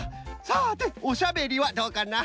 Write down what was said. さておしゃべりはどうかな？